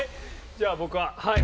じゃあ僕ははい。